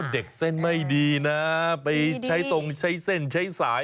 อ้อเด็กเส้นไม่ดีนะ